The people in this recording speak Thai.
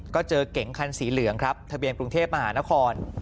ก็เจอเก๋งคันสีเหลืองครับทะเบียนกรุงเทพมหานคร